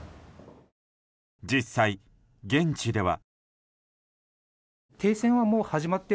実際、現地では。